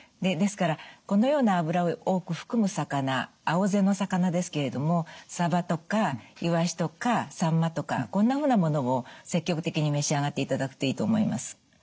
ですからこのような脂を多く含む魚青背の魚ですけれどもさばとかいわしとかさんまとかこんなふうなものを積極的に召し上がっていただくといいと思います。